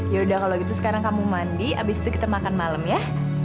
ya udah kalau gitu sekarang kamu mandi habis itu kita makan malam ya